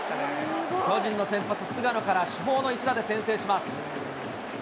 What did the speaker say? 巨人の先発、菅野から主砲の一打で先制します。